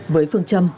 với phương châm